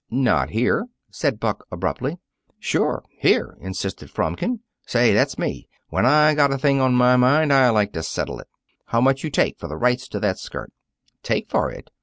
"Not here," said Buck abruptly. "Sure here," insisted Fromkin. "Say, that's me. When I got a thing on my mind, I like to settle it. How much you take for the rights to that skirt?" "Take for it!"